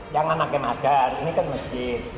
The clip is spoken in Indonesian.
jangan pakai masker ini kan masjid